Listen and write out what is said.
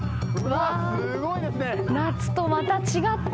夏とまた違った